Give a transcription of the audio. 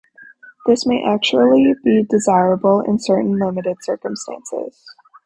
This may actually be desirable in certain limited circumstances.